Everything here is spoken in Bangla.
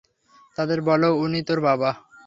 তাদের বল উনি তোর বাবা।